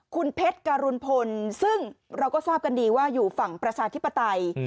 คุณเพชรการุณพลซึ่งเราก็ทราบกันดีว่าอยู่ฝั่งประชาธิปไตย